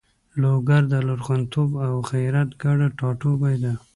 لوګر د لرغونتوب او غیرت ګډ ټاټوبی ده.